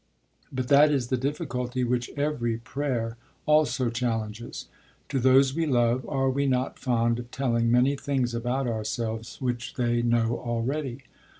But that is the difficulty which every prayer also challenges. To those we love, are we not fond of telling many things about ourselves which they know already?